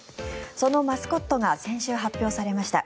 そのマスコットが先週発表されました。